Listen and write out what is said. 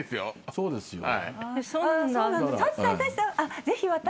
そうですね。